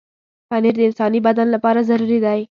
پنېر د انساني بدن لپاره ضروري دی.